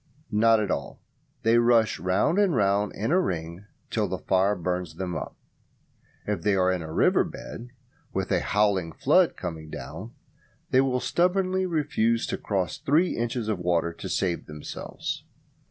Not at all, they rush round and round in a ring till the fire burns them up. If they are in a river bed, with a howling flood coming down, they will stubbornly refuse to cross three inches of water to save themselves.